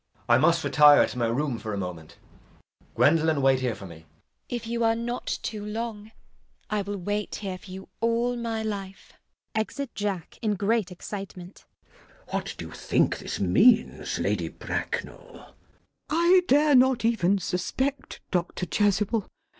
] JACK. I must retire to my room for a moment. Gwendolen, wait here for me. GWENDOLEN. If you are not too long, I will wait here for you all my life. [Exit Jack in great excitement.] CHASUBLE. What do you think this means, Lady Bracknell? LADY BRACKNELL. I dare not even suspect, Dr. Chasuble.